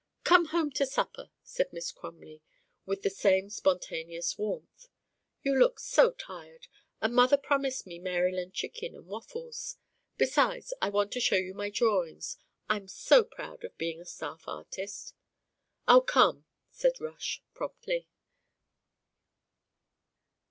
"Come home to supper," said Miss Crumley, with the same spontaneous warmth. "You look so tired, and Mother promised me Maryland chicken and waffles. Besides, I want to show you my drawings. I am so proud of being a staff artist." "I'll come," said Rush promptly.